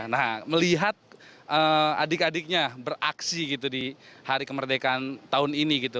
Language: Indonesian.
nah melihat adik adiknya beraksi gitu di hari kemerdekaan tahun ini gitu